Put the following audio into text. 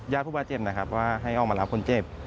ผู้บาดเจ็บนะครับว่าให้ออกมารับคนเจ็บ